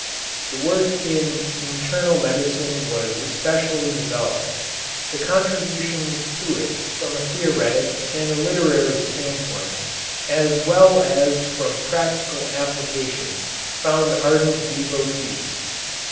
The work in internal medicine was especially developed. The contributions to it from a theoretic and a literary standpoint, as well as from practical applications, found ardent devotees."